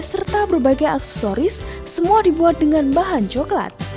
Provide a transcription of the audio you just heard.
serta berbagai aksesoris semua dibuat dengan bahan coklat